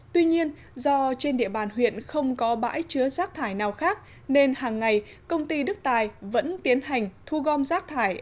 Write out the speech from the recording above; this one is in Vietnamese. tuy nhiên do trên địa bàn huyện không có bãi chứa rác thải nào khác nên hàng ngày công ty đức tài vẫn tiến hành thu gom rác thải